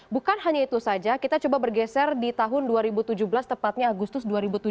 bukan hanya itu saja kita coba bergeser di tahun dua ribu tujuh belas tepatnya agustus dua ribu tujuh belas